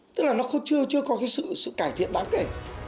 tức là nó chưa có cái sự cải thiện đáng kể